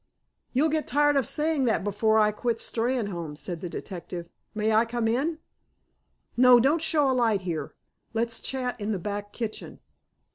"You'll get tired of saying that before I quit Steynholme," said the detective. "May I come in? No, don't show a light here. Let's chat in the back kitchen."